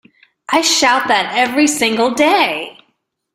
I shout that every single day!